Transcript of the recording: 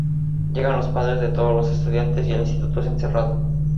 Llegan los padres de todos los estudiantes y el instituto es cerrado.